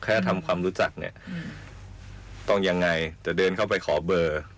แค่ทำความรู้จักเนี่ยต้องยังไงจะเดินเข้าไปขอเบอร์